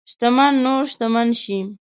شتمن نور شتمن شي.